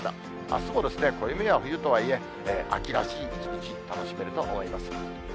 あすも、暦は冬とはいえ、秋らしい一日、楽しめると思います。